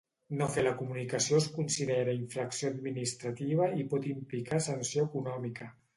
No fer la comunicació es considera infracció administrativa i pot implicar sanció econòmica.